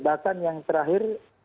bahkan yang terakhir